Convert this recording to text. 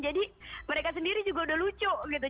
jadi mereka sendiri juga udah lucu gitu